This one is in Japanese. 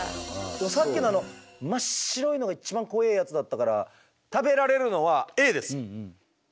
でもさっきのあの真っ白いのが一番怖えやつだったから食べられるのはＡです。